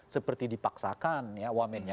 seperti dipaksakan ya wamennya